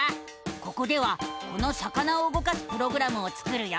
ここではこの魚を動かすプログラムを作るよ！